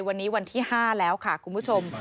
วันนี้วันที่๕แล้วค่ะคุณผู้ชม